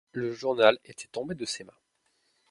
Le journal était tombé de ses mains.